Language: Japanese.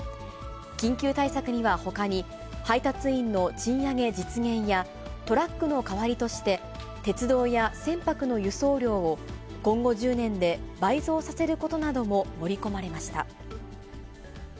緊急対策にはほかに、配達員の賃上げ実現や、トラックの代わりとして鉄道や船舶の輸送量を、今後１０年で倍増させることなども盛り込まれました。